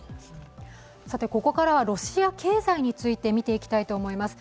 ここからはロシア経済について見ていきたいと思います。